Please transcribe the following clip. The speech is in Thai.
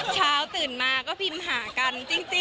เช้าตื่นมาก็พิมพ์หากัน